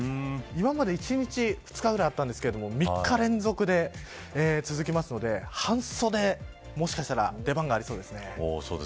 今まで１日、２日ぐらいあったんですが３日連続で続きますので半袖、もしかしたら出番がありそうですね。